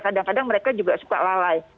kadang kadang mereka juga suka lalai